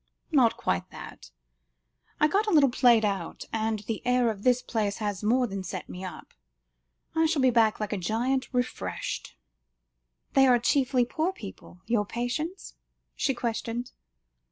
"Not quite that. I got a little played out, and the air of this place has more than set me up. I shall go back like a giant refreshed." "They are chiefly poor people, your patients?" she questioned.